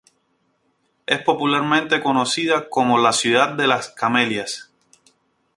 Es popularmente conocida como "La ciudad de Las Camelias".